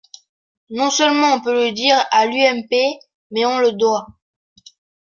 Non seulement on peut le dire à l’UMP, mais on le doit.